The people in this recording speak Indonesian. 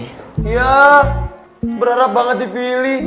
iyaaa berharap banget dipilih